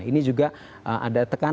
ini juga ada tekanan